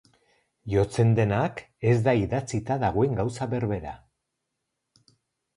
Jotzen denak, ez da idatzita dagoen gauza berbera.